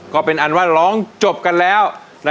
ก็เป็นอันว่าร้องจบกันแล้ว